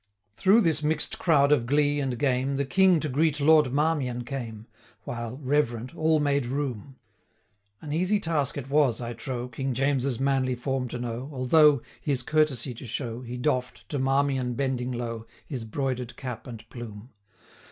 Through this mix'd crowd of glee and game, The King to greet Lord Marmion came, 205 While, reverent, all made room. An easy task it was, I trow, King James's manly form to know, Although, his courtesy to show, He doff'd, to Marmion bending low, 210 His broider'd cap and plume.